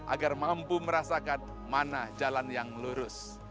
agar mampu merasakan mana jalan yang lurus